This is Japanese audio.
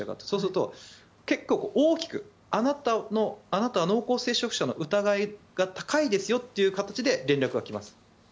そうすると結果、大きくあなたは濃厚接触者の疑いが高いですよという形で連絡が来ます。